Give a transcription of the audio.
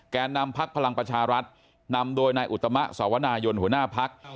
นำพักพลังประชารัฐนำโดยนายอุตมะสวนายนหัวหน้าพัก